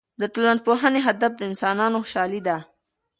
د ټولنپوهنې هدف د انسانانو خوشحالي ده.